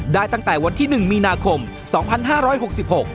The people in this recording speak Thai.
ตั้งแต่วันที่หนึ่งมีนาคมสองพันห้าร้อยหกสิบหก